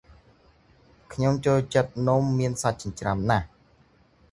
ខ្ញុំចូលចិត្តនំមានសាច់ចិញ្ច្រាំណាស់ ។